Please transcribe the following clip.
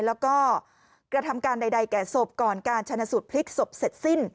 แล้วก็กระทำการใดแก่ศพก่อนการชนะสูตรพลิกศพเสร็จสิ้น